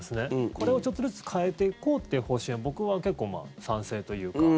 これをちょっとずつ変えていこうという方針は僕は結構、賛成というか。